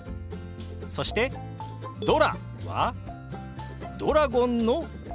そして「ドラ」はドラゴンの「ドラ」。